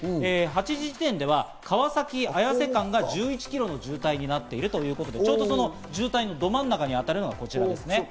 ８時時点では川崎−綾瀬間が１１キロの渋滞になっているということで、渋滞のど真ん中にあたるのがこちらです。